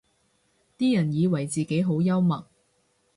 啲人以為自己好幽默